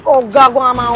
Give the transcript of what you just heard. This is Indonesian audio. oh gak gua gak mau